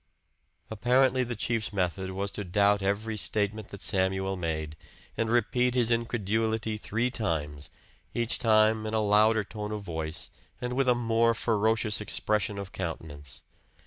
Apparently the chief's method was to doubt every statement that Samuel made, and repeat his incredulity three times, each time in a louder tone of voice and with a more ferocious expression of countenance.